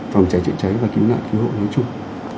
phòng cháy trợ cháy và kế hoạch cứu hộ nói chung